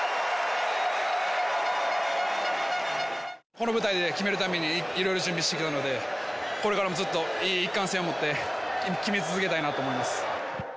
この舞台で決めるためにいろいろ準備してきたので、これからもずっと一貫性を持って、決め続けたいなと思います。